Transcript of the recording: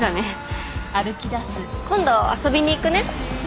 今度遊びに行くね。